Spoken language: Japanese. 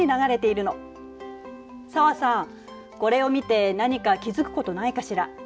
紗和さんこれを見て何か気付くことないかしら？